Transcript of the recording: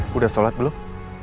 sudah sholat belum